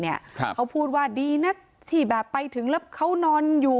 เขาพูดว่าดีนะที่แบบไปถึงแล้วเขานอนอยู่